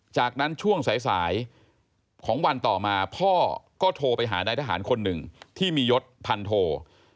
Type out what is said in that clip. จากนั้นช่วงสายของวันต่อมาพ่อก็โทรไปหานายทหารคนหนึ่งที่มียศพันโท